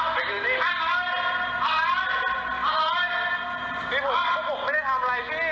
เพื่อนผมไม่ไหวแล้ว